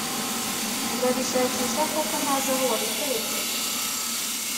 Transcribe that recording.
ntabishakisha koko ntazi aho wabiteretse.